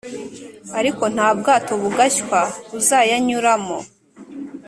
ariko nta bwato bugashywa buzayanyuramo,